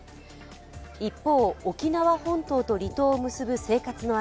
一方、沖縄本島と離島を結ぶ生活の足